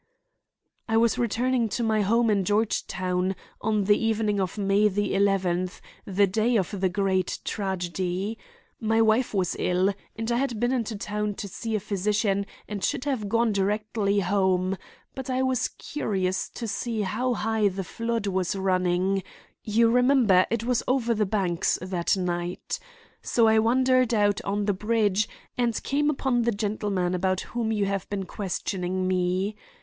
"I was returning to my home in Georgetown, on the evening of May the eleventh, the day of the great tragedy. My wife was ill, and I had been into town to see a physician and should have gone directly home; but I was curious to see how high the flood was running—you remember it was over the banks that night. So I wandered out on the bridge, and came upon the gentleman about whom you have been questioning me.